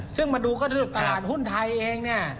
ซึ่งมาดูก็คือตลาดหุ้นไทยเองเนี่ย